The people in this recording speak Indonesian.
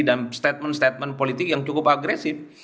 statement statement politik yang cukup agresif